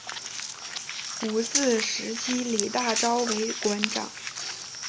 五四时期李大钊为馆长。